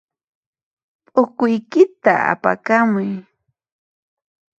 P'ukuykita apakamuy.